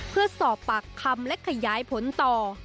เพื่อสอบปากคำและขยายผลต่อ